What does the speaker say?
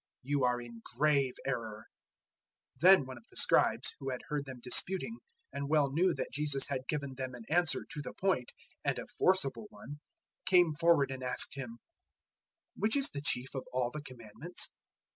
You are in grave error." 012:028 Then one of the Scribes, who had heard them disputing and well knew that Jesus had given them an answer to the point, and a forcible one, came forward and asked Him, "Which is the chief of all the Commandments?"